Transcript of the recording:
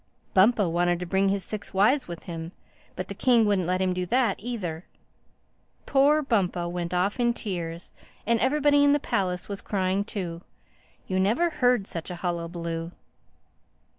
Bumpo wanted to bring his six wives with him. But the king wouldn't let him do that either. Poor Bumpo went off in tears—and everybody in the palace was crying too. You never heard such a hullabaloo."